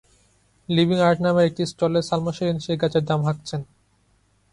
Living art নামের একটি স্টলে সালমা শিরিন সেই গাছের দাম হাঁকছেন।